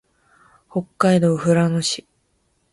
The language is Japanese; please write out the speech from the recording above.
北海道富良野市